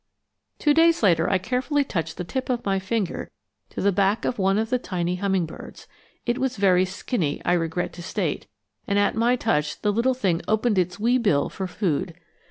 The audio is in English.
Two days later I carefully touched the tip of my finger to the back of one of the tiny hummingbirds, it was very skinny, I regret to state, and at my touch the little thing opened its wee bill for food.